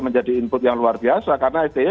menjadi input yang luar biasa karena sti